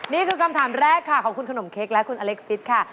นี่คือคำถามแรกค่ะของคุณขนมเค้กและคุณอเล็กซิสค่ะ